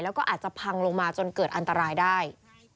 แล้วก็อาจจะพังลงมาจนเกิดอันตรายได้